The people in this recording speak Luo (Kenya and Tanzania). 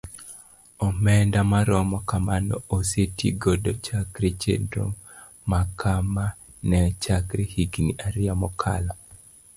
Omenda maromo kamano oseti godo chakre chenro makama ne chakre higni ariyo mokalo.